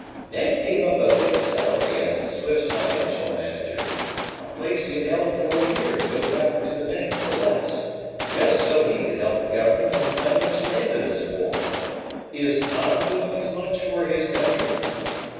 "Ned gave up a big salary as the Swifts financial man a place he had held for a year to go back to the bank for less, just so he could help the Government in the financial end of this war. Is Tom doing as much for his country?"